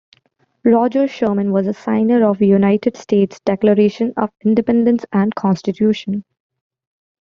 Roger Sherman was a signer of United States Declaration of Independence and Constitution.